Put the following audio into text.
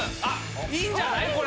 あっいいんじゃない？